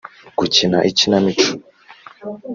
gukina ikinamico